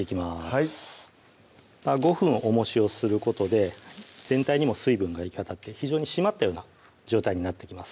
はい５分おもしをすることで全体にも水分が行き渡って非常に締まったような状態になってきます